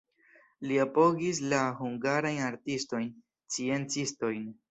Li apogis la hungarajn artistojn, sciencistojn.